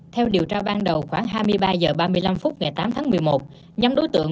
theo điều tra ban đầu khoảng hai mươi ba h ba mươi năm phút ngày tám tháng một mươi một nhóm đối tượng